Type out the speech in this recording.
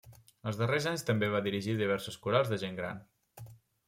Els darrers anys també va dirigir diverses corals de gent gran.